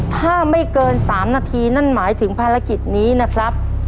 ถ้าไม่เกิน๓นาทีนั่นหมายถึงภารกิจนี้นะครับ